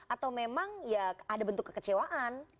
atau memang ya ada bentuk kekecewaan